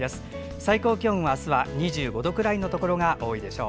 最高気温はあすは２５度ぐらいのところが多いでしょう。